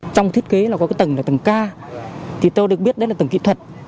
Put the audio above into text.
trong thiết kế là có cái tầng ở tầng k thì tôi được biết đấy là tầng kỹ thuật